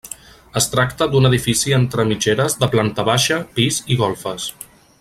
Es tracta d'un edifici entre mitgeres de planta baixa, pis i golfes.